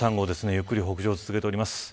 ゆっくり北上を続けています。